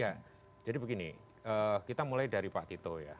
ya jadi begini kita mulai dari pak tito ya